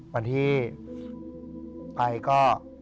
วันที่ไปก็